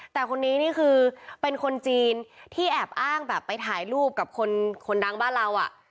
แต่คนนี้นี่คือเป็นคนจีนที่แอบอ้างแบบไปถ่ายรูปกับคนดังบ้านเรา